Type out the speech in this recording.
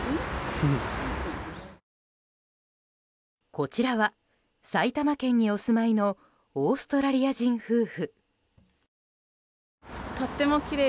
こちらは、埼玉県にお住まいのオーストラリア人夫婦。